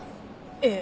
ええ。